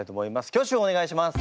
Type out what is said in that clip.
挙手をお願いします。